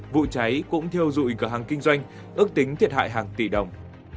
vụ cháy cũng thiêu dụi cửa hàng kinh doanh ước tính thiệt hại hàng tỷ đồng